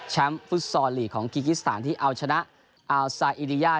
ฟุตซอลลีกของกิกิสถานที่เอาชนะอัลซาอิริยา